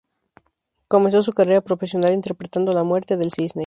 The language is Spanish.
Comenzó su carrera profesional interpretando "La muerte del cisne".